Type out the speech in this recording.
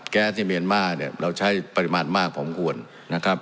แก๊สที่เมียนม่าเราใช้ปริมาทมากเพราะผมที่รวมนะครับ